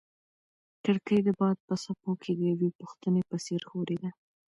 کړکۍ د باد په څپو کې د یوې پوښتنې په څېر ښورېده.